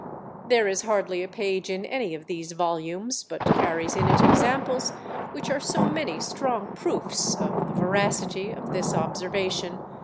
There is hardly a page in any of these volumes, but carries in it examples which are so many strong proofs of the veracity of this observation.